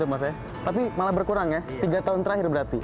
tapi malah berkurang ya tiga tahun terakhir berarti